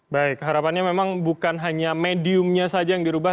baik harapannya memang bukan hanya mediumnya saja yang dirubah